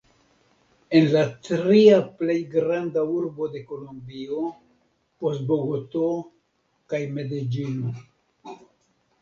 En la tria plej granda urbo de Kolombio, post Bogoto kaj Medeĝino.